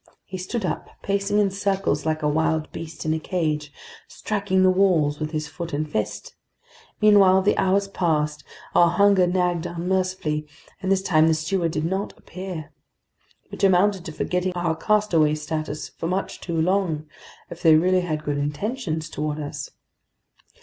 He stood up, pacing in circles like a wild beast in a cage, striking the walls with his foot and fist. Meanwhile the hours passed, our hunger nagged unmercifully, and this time the steward did not appear. Which amounted to forgetting our castaway status for much too long, if they really had good intentions toward us.